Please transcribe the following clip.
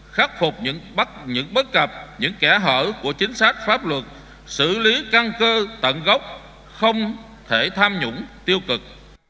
khắc phục những bắt những bất cập những kẻ hở của chính sách pháp luật xử lý căng cơ tận gốc không thể tham nhũng tiêu cực